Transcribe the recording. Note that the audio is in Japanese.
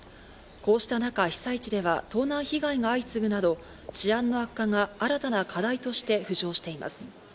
こうした中、被災地では盗難被害が相次ぐなど、治安の悪化が新たな課題として浮上しています。